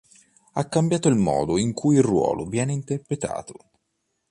Ha cambiato il modo in cui il ruolo viene interpretato.